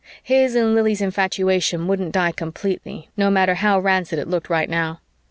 His and Lili's infatuation wouldn't die completely, no matter how rancid it looked right now.